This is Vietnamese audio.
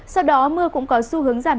sau đó mưa cũng có xu hướng giảm